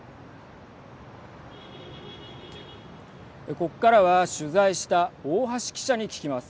ここからは、取材した大橋記者に聞きます。